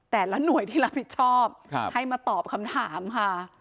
แต่ละหน่วยที่รับผิดชอบให้มาตอบคำถามค่ะ